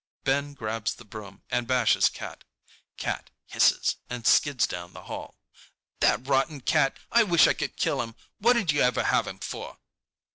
Ben grabs the broom and bashes Cat. Cat hisses and skids down the hall. "That rotten cat! I wish I could kill him! What'd you ever have him for?"